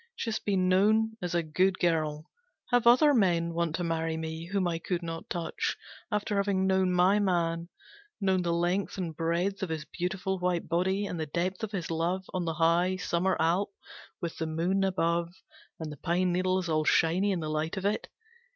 Just be known as a good girl. Have other men want to marry me, whom I could not touch, after having known my man. Known the length and breadth of his beautiful white body, and the depth of his love, on the high Summer Alp, with the moon above, and the pine needles all shiny in the light of it.